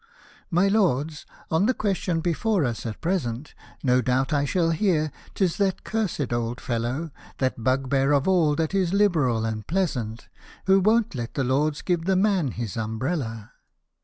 My Lords, on the question before us at present, No doubt I shall hear, "Tis that cursed old fellow, That bugbear of all that is liberal and pleasant, Who won't let the Lords give the man his umbrella